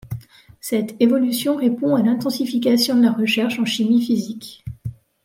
Cette évolution répond à l'intensification de la recherche en chimie physique.